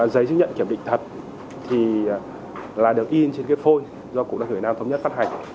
giấy chức nhận kiểm định thật là được in trên cái phôi do cụ đặc hội nam thống nhất phát hành